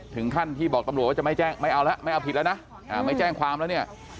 ถึงขั้นที่บอกตำรวจว่าจะไม่แจ้งไม่เอาแล้วไม่เอาผิดแล้วนะไม่แจ้งความแล้วเนี่ย